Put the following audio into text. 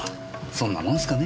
そんなもんすかね。